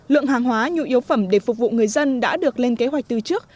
lượng hàng hóa nhu yếu phẩm để phục vụ người dân đã được lên kế hoạch từ trước